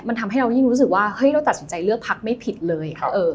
มันทำให้เรายิ่งรู้สึกว่าเฮ้ยเราตัดสินใจเลือกพักไม่ผิดเลย